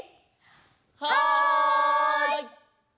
はい！